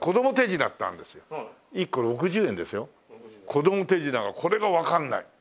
子供手品これがわかんない。